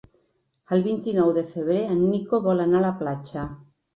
El vint-i-nou de febrer en Nico vol anar a la platja.